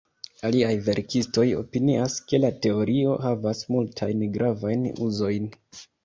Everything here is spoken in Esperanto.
Aliaj verkistoj opinias, ke la teorio havas multajn gravajn uzojn.